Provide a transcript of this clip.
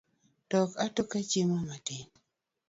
Tok atoka chiemo matin